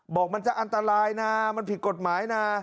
บอกมันจะอันตรายนะมันผิดกฎหมายนะ